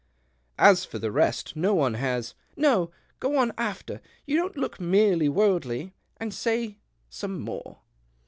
" As for the rest, no one has "" No ; go on after ' You don't look merely worldly,' and say some more."